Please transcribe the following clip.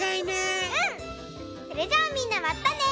それじゃあみんなまたね！